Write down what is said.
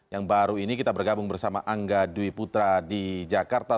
yang baru ini kita bergabung bersama angga dwi putra di jakarta